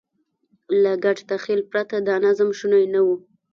له ګډ تخیل پرته دا نظم شونی نه و.